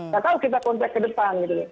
tak tahu kita kontak ke depan